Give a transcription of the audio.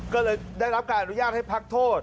ก็เลยได้รับการอนุญาตให้พักโทษ